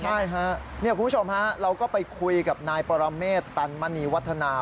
ใช่ฮะคุณผู้ชมฮะเราก็ไปคุยกับนายปรเมษตันมณีวัฒนา